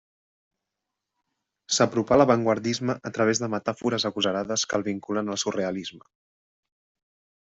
S'apropà a l'avantguardisme a través de metàfores agosarades que el vinculen al surrealisme.